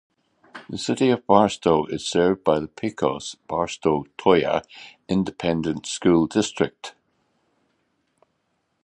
The City of Barstow is served by the Pecos-Barstow-Toyah Independent School District.